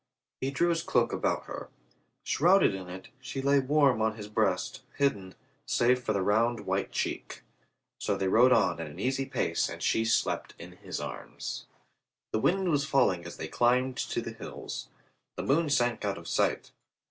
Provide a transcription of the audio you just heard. He drew his cloak about her. Shrouded in it, she lay warm on his breast, hidden, save for the round white cheek. So they rode on at an easy pace and she slept in his arms. The wind was falling as they climbed to the hills. The moon sank out of sight.